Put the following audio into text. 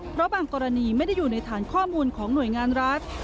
เพราะบางกรณีไม่ได้อยู่ในฐานข้อมูลของหน่วยงานรัฐ